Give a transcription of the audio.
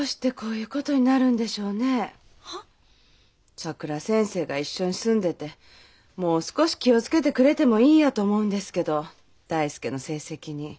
さくら先生が一緒に住んでてもう少し気を付けてくれてもいいやと思うんですけど大介の成績に。